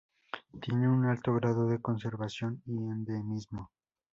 Tiene un alto grado de conservación y endemismo.